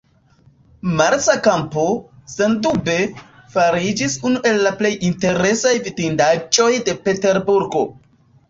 Marsa Kampo, sendube, fariĝis unu el plej interesaj vidindaĵoj de Peterburgo.